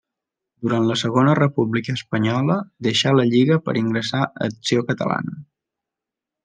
Durant la Segona República Espanyola deixà la Lliga per ingressar a Acció Catalana.